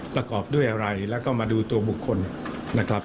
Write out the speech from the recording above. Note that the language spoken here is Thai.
ประกอบด้วยอะไรแล้วก็มาดูตัวบุคคลนะครับ